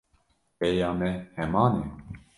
Rêya me heman e?